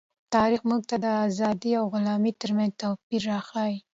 تاریخ موږ ته د آزادۍ او غلامۍ ترمنځ توپیر راښيي.